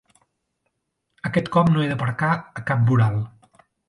Aquest cop no he d'aparcar a cap voral.